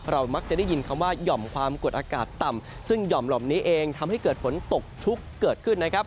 มักจะได้ยินคำว่าหย่อมความกดอากาศต่ำซึ่งหย่อมหม่อมนี้เองทำให้เกิดฝนตกชุกเกิดขึ้นนะครับ